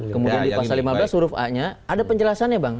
kemudian di pasal lima belas huruf a nya ada penjelasannya bang